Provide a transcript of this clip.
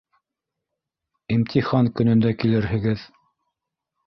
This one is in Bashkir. — Имтихан көнөндә килерһегеҙ.